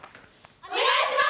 お願いします。